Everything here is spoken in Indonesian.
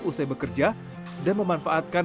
usai bekerja dan memanfaatkan